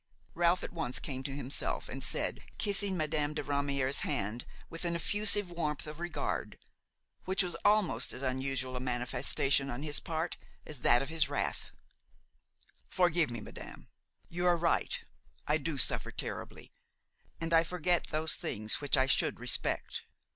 Ralph at once came to himself, and said, kissing Madame de Ramière's hand with an effusive warmth of regard, which was almost as unusual a manifestation on his part as that of his wrath: "Forgive me, madame; you are right, I do suffer terribly, and I forget those things which I should respect.